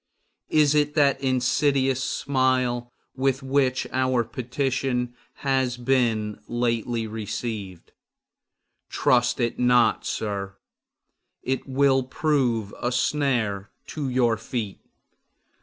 Is it that insidious smile with which our petition has been lately received? Trust it not, sir; it will prove a snare to your feet.